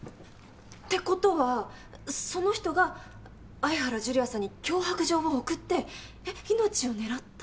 ってことはその人が愛原樹里亜さんに脅迫状を送ってえっ命を狙った？